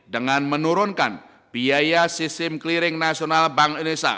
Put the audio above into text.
dengan menurunkan biaya sistem clearing nasional bank indonesia